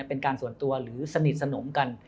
เป็นการส่วนตัวหรือสนิทสนมกัน